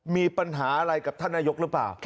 มีปัญหาอะไรกับท่านนายกหรือเปล่า